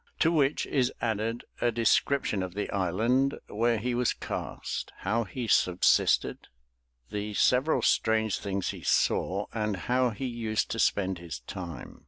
To which is added a Description of the Island where he was cast; how he subsisted; the several Strange Things he saw; and how he used to spend his Time.